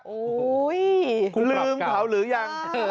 โอ้ยลืมเขาหรือยัง